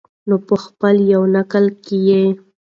نو په خپل يونليک کې يې